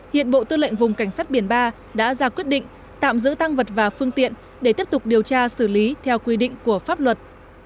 hiện bộ tư lệnh vùng cảnh sát biển ba đã ra quyết định tạm giữ tăng vật và phương tiện để tiếp tục điều tra xử lý theo quy định của pháp luật